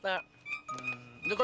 itu kok di rumah gue